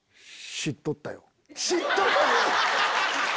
⁉知っとったよ？